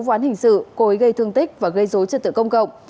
vụ án hình sự cố ý gây thương tích và gây dối trật tự công cộng